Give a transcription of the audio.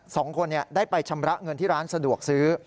สองคนได้ไปชำระเงินที่ร้านสะดวกซื้อ